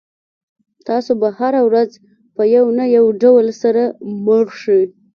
تاسو به هره ورځ په یو نه یو ډول سره مړ شئ.